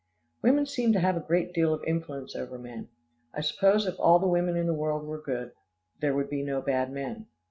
Women seem to have a great deal of influence over men. I suppose if all the women in the world were good, there would be no bad men.